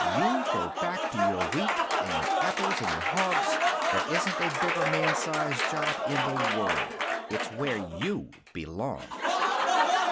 You go back to your wheat and your apples and your hogs. There isn't a bigger man size job in the world. It's where you belong."